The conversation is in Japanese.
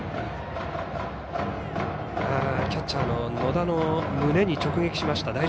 キャッチャーの野田の胸に直撃しました。